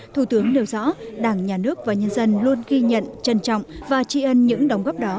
thủ tướng nêu rõ đảng nhà nước và nhân dân luôn ghi nhận trân trọng và tri ân những đóng góp đó